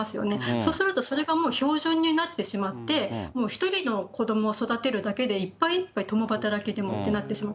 そうすると、それがもう標準になってしまって、１人の子どもを育てるだけでいっぱいいっぱい、共働きでもってなってしまう。